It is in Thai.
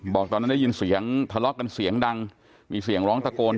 บอกตอนนั้นได้ยินเสียงทะเลาะกันเสียงดังมีเสียงร้องตะโกน